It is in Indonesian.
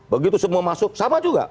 begitu semua masuk sama juga